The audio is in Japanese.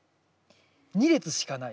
２列しかない。